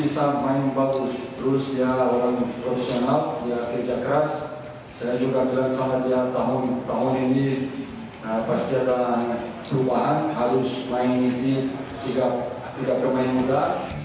saya juga bilang sama dia tahun tahun ini pasti ada perubahan harus main ini juga tidak pemain muda